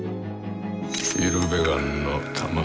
イルベガンの卵。